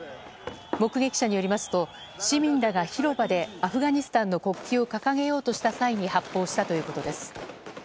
目撃者によりますと市民らが広場でアフガニスタンの国旗を掲げようとした際に発砲したということです。